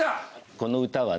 この歌はね